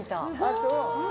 そう？